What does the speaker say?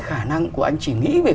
khả năng của anh chỉ nghĩ về